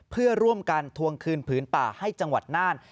เพื่อร่วมกันทวงคืนผืนป่าให้จังหวัดน่าน